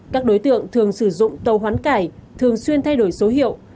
các đối tượng thường sử dụng tàu hoán cải thường xuyên thay đổi số hiệu